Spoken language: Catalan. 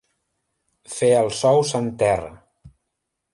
Fer els ous en terra.